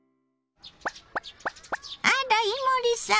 あら伊守さん。